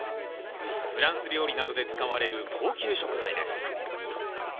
フランス料理などで使われる高級食材です。